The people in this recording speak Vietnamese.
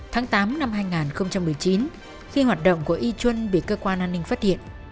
tháng tám năm hai nghìn một mươi chín khi hoạt động của y chuân bị cơ quan an ninh phát hiện